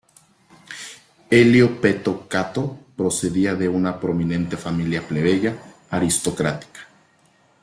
Elio Peto Cato procedía de una prominente familia plebeya aristocrática.